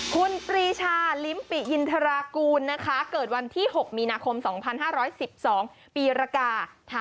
คุณปรีชาลิ้มปิอินทรากูลนะคะเกิดวันที่๖มีนาคม๒๕๑๒ปีรกา